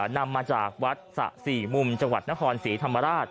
นำมาจากวัดสะสี่มุมจังหวัดนครศรีธรรมราช